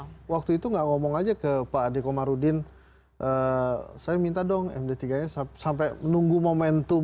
karena waktu itu nggak ngomong aja ke pak ade komarudin saya minta dong md tiga nya sampai menunggu momentum